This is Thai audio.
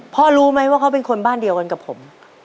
รู้ไหมว่าเขาเป็นคนบ้านเดียวกันกับผม